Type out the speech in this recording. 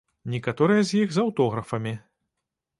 Некаторыя з іх з аўтографамі.